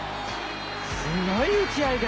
すごい打ち合いで。